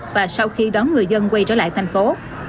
và sau khi đón người dân quay trở lại thành phố